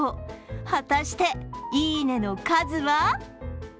果たして、いいねの数は？